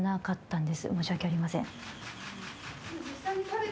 申し訳ありません。